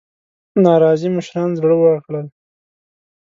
ناراضي مشران زړه ورکړل.